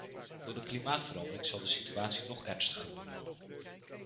Door de klimaatverandering zal de situatie nog ernstiger worden.